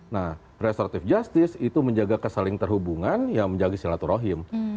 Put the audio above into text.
nah restoratif justice itu menjaga kesaling terhubungan ya menjaga silaturahim